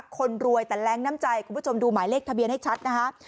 คนรวยแต่แรงน้ำใจคุณผู้ชมดูหมายเลขทะเบียนให้ชัดนะคะ